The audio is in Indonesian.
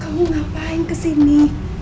kamu ngapain kesini